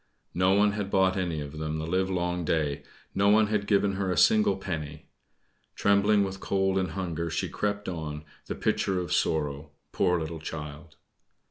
No one had bought any of them the livelong day no one had given her a single penny. Trembling with cold and hunger she crept on, the picture of sorrow; poor little child!